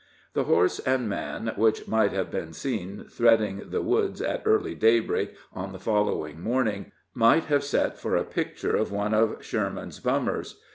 The horse and man which might have been seen threading the woods at early daybreak on the following morning, might have set for a picture of one of Sherman's bummers.